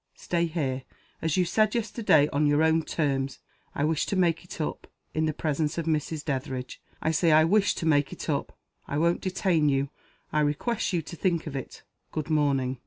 Stay here, as you said yesterday, on your own terms. I wish to make it up. In the presence of Mrs. Dethridge, I say I wish to make it up. I won't detain you. I request you to think of it. Good morning."